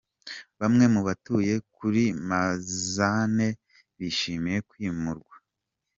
Bamwe mu batuye kuri Mazane bishimiye kwimurwa.